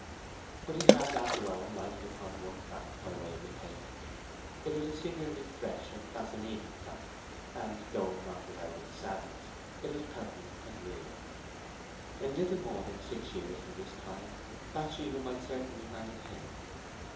But he had, after all, lighted upon one fact by way of repayment. It was a singularly fresh and fascinating fact, and though not without its sadness it was pertinent and real. In little more than six years from this time Bathsheba might certainly marry him.